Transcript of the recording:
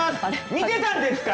見てたんですか？